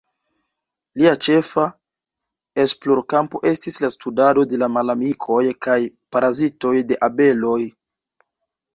Lia ĉefa esplorkampo estis la studado de la malamikoj kaj parazitoj de abeloj.